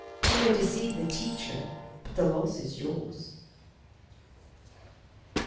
You may deceive the teacher, but the loss is yours.